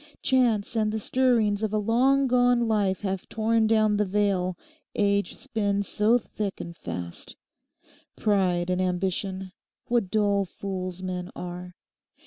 Chance and the stirrings of a long gone life have torn down the veil age spins so thick and fast. Pride and ambition; what dull fools men are!